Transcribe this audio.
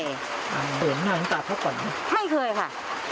พี่ขึ้นรถไปไม่เคยค่ะ